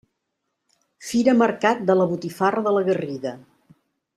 Fira Mercat de la Botifarra de la Garriga.